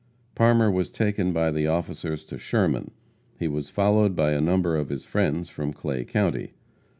Parmer was taken by the officers to Sherman. He was followed by a number of his friends from Clay county.